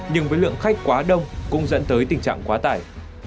nhưng với lượng khách quá đông cũng dẫn tới tình trạng quá tải